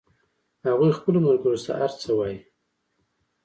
هغوی خپلو ملګرو سره هر څه وایي